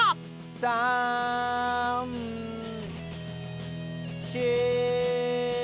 ３４。